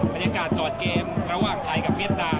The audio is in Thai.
มันยากาศบนเกมระหว่างไทยกับเมียดตาม